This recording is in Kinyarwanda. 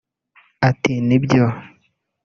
Ati Ni byo